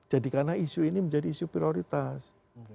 jadi karena isu ini menjadi isu prioritas